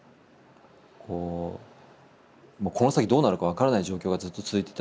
この先どうなるか分からない状況がずっと続いてたじゃないですか。